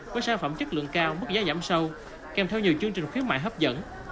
với sản phẩm chất lượng cao mức giá giảm sâu kèm theo nhiều chương trình khuyến mại hấp dẫn